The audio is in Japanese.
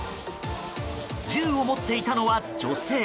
銃を持っていたのは女性。